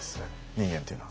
人間っていうのは。